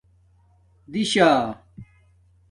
دِشہ